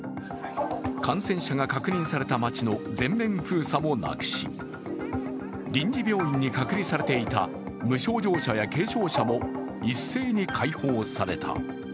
感染者が確認された街の全面封鎖もなくし、臨時病院に隔離されていた無症状者や軽症者も一斉に解放された。